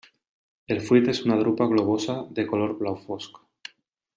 El fruit és una drupa globosa, de color blau fosc.